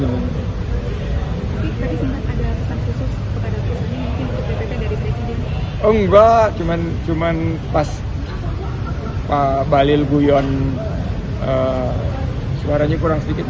oh enggak cuma pas pak balil guyon suaranya kurang sedikit empat